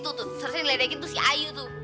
tuh tuh sering ngedekin tuh si ayu tuh